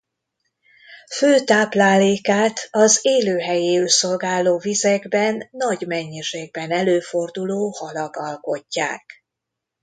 Fő táplálékát az élőhelyéül szolgáló vizekben nagy mennyiségben előforduló halak alkotják.